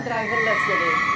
ini driverless jadi